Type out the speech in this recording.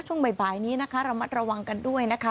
ช่วงบ่ายนี้นะคะระมัดระวังกันด้วยนะคะ